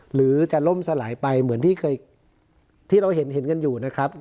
หรือจะล่มสลายไปเหมือนที่เคยที่เราเห็นกันอยู่นะครับ